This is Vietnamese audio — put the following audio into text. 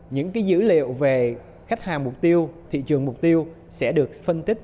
những dữ liệu về khách hàng mục tiêu thị trường mục tiêu sẽ được phân tích